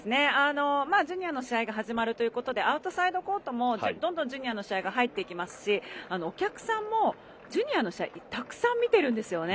ジュニアの試合が始まるということでアウトサイドコートもどんどんジュニアの試合が入ってきますしお客さんもジュニアの試合をたくさん見てるんですよね。